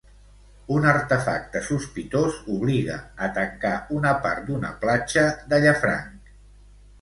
Un artefacte sospitós obliga a tancar una part d'una platja de Llafranc.